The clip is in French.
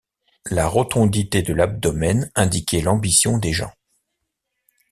La rotondité de l’abdomen indiquait l’ambition des gens.